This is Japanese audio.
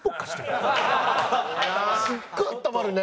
すっごいあったまるね。